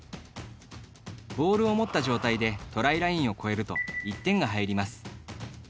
ボールを持った状態でトライラインを越えると１点が入ります。